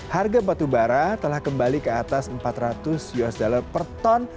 harga batubara telah kembali ke atas empat ratus usd per ton